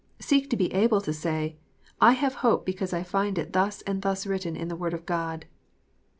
Seek to be able to say, " I have hope, because I find it thus and thus written in the Word of God."